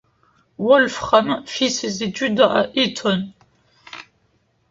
Wolfram fit ses études à Eton.